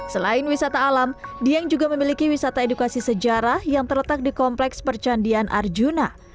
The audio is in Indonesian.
selain wisata alam dieng juga memiliki wisata edukasi sejarah yang terletak di kompleks percandian arjuna